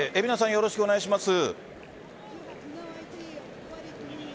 よろしくお願いします。